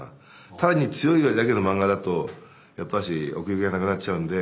単に強いだけの漫画だとやっぱし奥行きがなくなっちゃうんで。